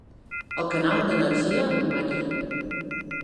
El canal d'energia Marie.